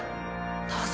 どうぞ。